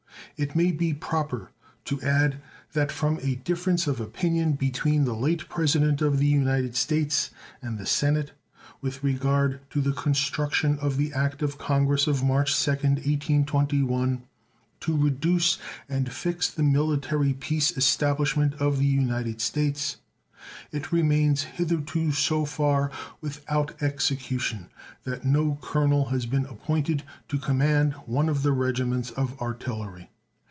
It may be proper to add that, from a difference of opinion between the late President of the United States and the Senate with regard to the construction of the act of Congress of March 2d, 1821, to reduce and fix the military peace establishment of the United States, it remains hitherto so far without execution that no colonel has been appointed to command one of the regiments of artillery.